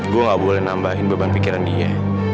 gue gak boleh nambahin beban pikiran dia